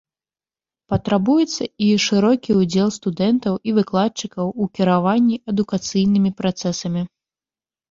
Патрабуецца і шырокі ўдзел студэнтаў і выкладчыкаў у кіраванні адукацыйнымі працэсамі.